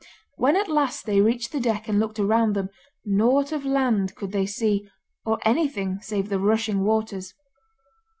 When at last they reached the deck and looked around them, nought of land could they see, or anything save the rushing waters.